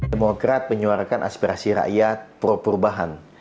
demokrat menyuarakan aspirasi rakyat pro perubahan